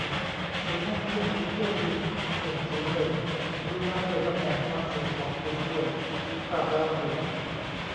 ศูนย์ภาคพื้นถึงเที่ยวบินหนึ่งศูนย์หนึ่ง กรุณาเปลี่ยนตำแหน่งความสูงของคุณด้วย ทราบแล้วเปลี่ยน